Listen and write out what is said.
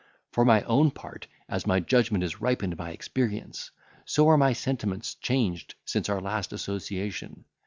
For my own part, as my judgment is ripened by experience, so are my sentiments changed since our last association.